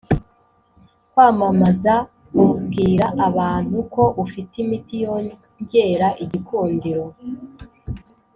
Kwamamaza ubwira abantu ko ufite imiti yongera igikundiro